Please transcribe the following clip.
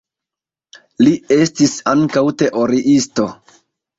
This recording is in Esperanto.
Li estis ankaŭ teoriisto.